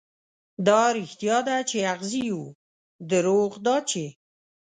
دا رښتيا ده، چې اغزي يو، دروغ دا چې